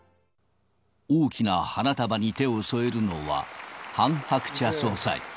大きな花束に手を添えるのはハン・ハクチャ総裁。